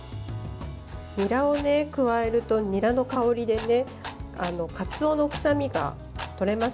にらを加えると、にらの香りでかつおの臭みがとれますね。